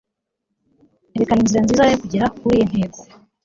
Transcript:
erekana inzira nziza yo kugera kuriyi ntego